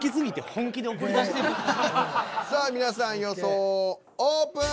さあ皆さん予想オープン。